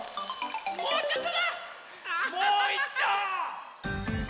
もうちょっと。